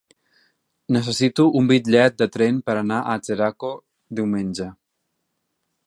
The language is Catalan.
Necessito un bitllet de tren per anar a Xeraco diumenge.